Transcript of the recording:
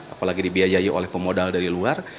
apalagi dibiayai oleh pemodal dari luar